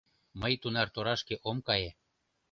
— Мый тунар торашке ом кае.